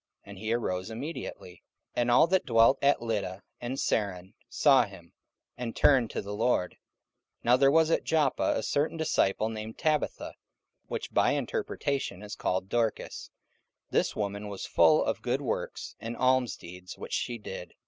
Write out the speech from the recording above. And he arose immediately. 44:009:035 And all that dwelt at Lydda and Saron saw him, and turned to the Lord. 44:009:036 Now there was at Joppa a certain disciple named Tabitha, which by interpretation is called Dorcas: this woman was full of good works and almsdeeds which she did.